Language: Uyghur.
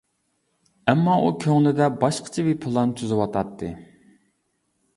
ئەمما ئۇ كۆڭلىدە باشقىچە بىر پىلان تۈزۈۋاتاتتى.